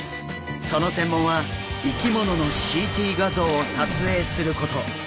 その専門は生き物のＣＴ画像を撮影すること。